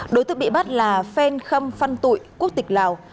đối tượng bị bắt là phen khâm phăn tụi quốc tịch lào